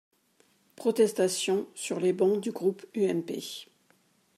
Protestations sur les bancs du groupe UMP.